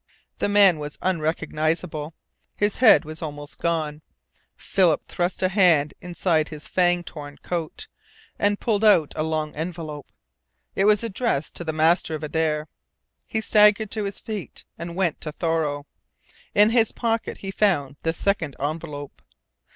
The man was unrecognizable. His head was almost gone. Philip thrust a hand inside his fang torn coat and pulled out a long envelope. It was addressed to the master of Adare. He staggered to his feet, and went to Thoreau. In his pocket he found the second envelope.